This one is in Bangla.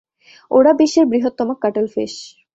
ওরা বিশ্বের বৃহত্তম কাটলফিশ।